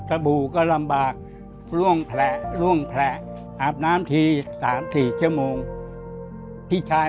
บู่ก็ลำบากล่วงแผลล่วงแผลอาบน้ำที๓๔ชั่วโมงพี่ชาย